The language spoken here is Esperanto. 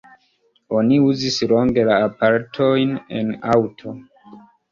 Oni uzis longe la aparatojn en aŭto.